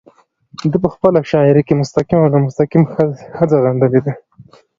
ده په خپله شاعرۍ کې مستقيم او نامستقيم ښځه غندلې ده